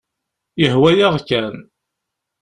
Yehwa-yaɣ kan.